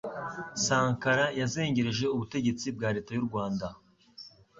sankara yazengereje ubutegetsi bwa leta yu rwanda